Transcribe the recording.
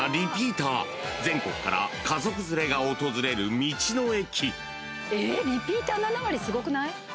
［全国から家族連れが訪れる道の駅］